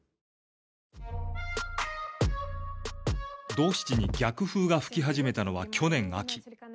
ドーシチに逆風が吹き始めたのは去年秋。